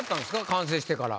完成してから。